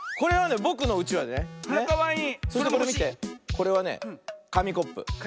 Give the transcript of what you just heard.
これはねかみコップ。